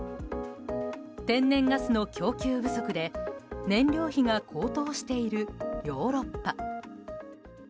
天然ガスの供給不足で燃料費が高騰しているヨーロッパ。